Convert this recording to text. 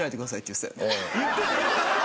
言ってた！